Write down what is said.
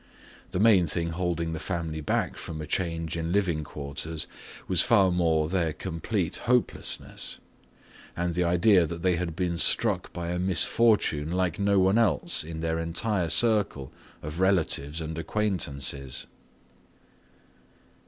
The main thing holding the family back from a change in living quarters was far more their complete hopelessness and the idea that they had been struck by a misfortune like no one else in their entire circle of relatives and acquaintances.